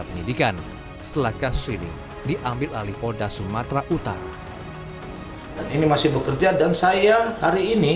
penyidikan setelah kasus ini diambil alih polda sumatera utara dan ini masih bekerja dan saya hari ini